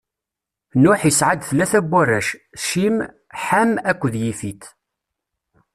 Nuḥ isɛa-d tlata n warrac: Cim, Ḥam akked Yifit.